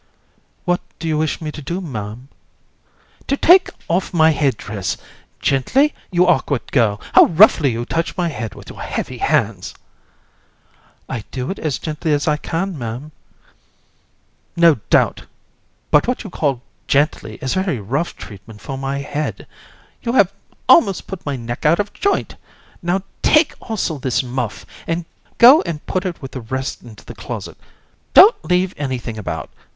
AND. What do you wish me to do, Ma'am? COUN. To take off my head dress. Gently, you awkward girl: how roughly you touch my head with your heavy hands! AND. I do it as gently as I can, Ma'am. COUN. No doubt; but what you call gently is very rough treatment for my head. You have almost put my neck out of joint. Now, take also this muff; go and put it with the rest into the closet; don't leave anything about.